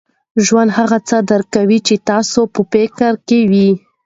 ژوند هغه څه درکوي، چي ستاسو په فکر کي وي.